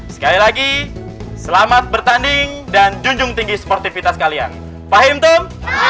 sekali lagi selamat bertanding dan junjung tinggi sportivitas kalian pak hinton